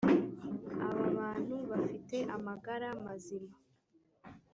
aba bantu bafite amagara mazima